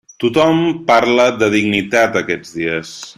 Tothom parla de dignitat, aquests dies.